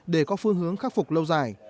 để có phương hướng khắc phục lâu dài